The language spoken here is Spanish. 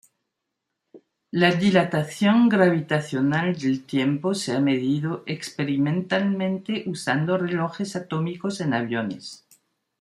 La dilatación gravitacional del tiempo se ha medido experimentalmente usando relojes atómicos en aviones.